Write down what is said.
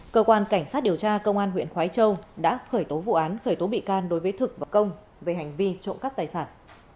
cơ quan cảnh sát điều tra công an huyện khói châu đã khởi tố vụ án khởi tố bị can đối với thực và công về hành vi trộm cắp tài sản